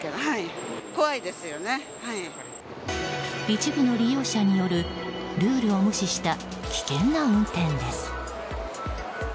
一部の利用者によるルールを無視した危険な運転です。